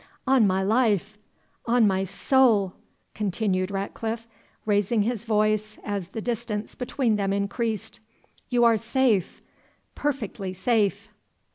"On my life on my soul," continued Ratcliffe, raising his voice as the distance between them increased, "you are safe perfectly safe."